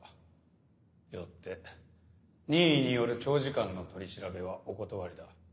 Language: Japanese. よって任意による長時間の取り調べはお断りだ。